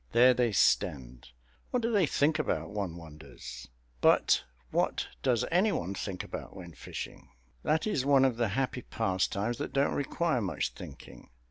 There they stand. What do they think about, one wonders? But what does any one think about when fishing? That is one of the happy pastimes that don't require much thinking.